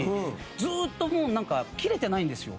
ずっともうなんか切れてないんですよ